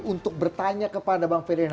untuk bertanya kepada bang ferdinand